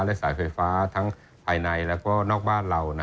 และสายไฟฟ้าทั้งภายในและก็นอกบ้านเรา